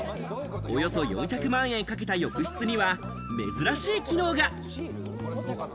およそ４００万円かけた浴室には珍しい機能が。